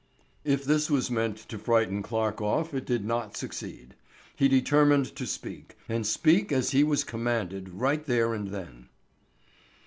If this was meant to frighten Clarke off it did not succeed. He determined to speak, and speak as he was commanded right there and then.